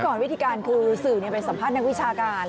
เมื่อก่อนวิธีการคือสื่อเป็นสัมภาษณ์นักวิชาการ